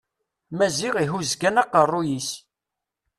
Maziɣ ihuz kan aqerruy-is.